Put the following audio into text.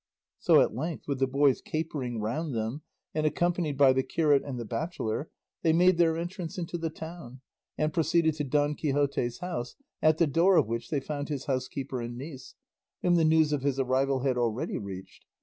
So at length, with the boys capering round them, and accompanied by the curate and the bachelor, they made their entrance into the town, and proceeded to Don Quixote's house, at the door of which they found his housekeeper and niece, whom the news of his arrival had already reached.